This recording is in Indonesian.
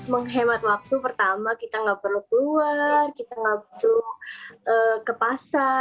menghemat waktu pertama kita gak perlu keluar kita gak perlu ke pasar untuk nyari